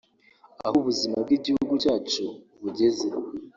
aho ubuzima bw’igihugu cyacu bugeze